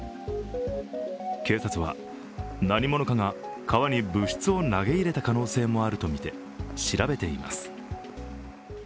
警察は、何者かが川に物質を投げ入れた可能性もあるとみて調べています。